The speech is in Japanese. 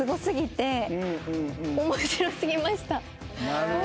なるほど。